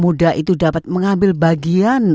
muda itu dapat mengambil bagian